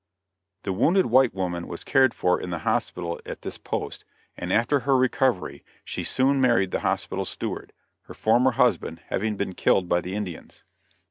The wounded white woman was cared for in the hospital at this post, and after her recovery she soon married the hospital steward, her former husband having been killed by the Indians.